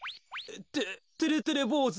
っててれてれぼうず？